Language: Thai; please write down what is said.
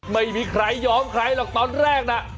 ไม่มีใครย้อมใครหรอกตอนแรกน่ะ